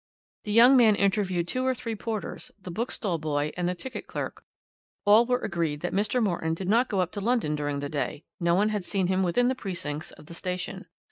The young man interviewed two or three porters, the bookstall boy, and ticket clerk; all were agreed that Mr. Morton did not go up to London during the day; no one had seen him within the precincts of the station.